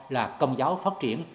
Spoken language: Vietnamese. là công giáo phát triển